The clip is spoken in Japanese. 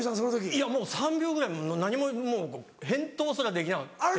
いやもう３秒ぐらい何ももう返答すらできなくて。